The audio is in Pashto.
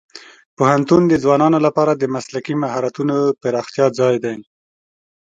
پوهنتون د ځوانانو لپاره د مسلکي مهارتونو پراختیا ځای دی.